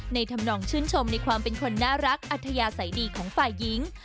ในธ่ำหนองชื่นชมในความเป็นคนน่ารักอะทยาสายดีของฝ่ายยิง